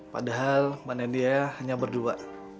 padahal mbak nadia hanya berdua